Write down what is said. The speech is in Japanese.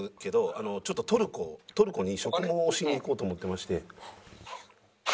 ちょっとトルコに植毛をしに行こうと思ってまして。